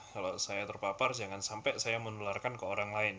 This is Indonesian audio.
kalau saya terpapar jangan sampai saya menularkan ke orang lain